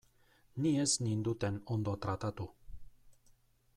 Ni ez ninduten ondo tratatu.